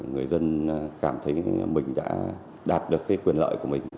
người dân cảm thấy mình đã đạt được cái quyền lợi của mình